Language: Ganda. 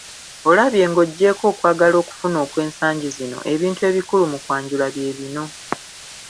Olabye ba Ng’oggyeeko okwagala okufuna okw’ensangi zino , ebintu ebikulu mu kwanjula bye bino;